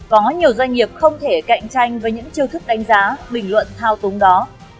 có nhiều doanh nghiệp không thể cạnh tranh với những chiêu thức đánh giá bình luận thao túng đó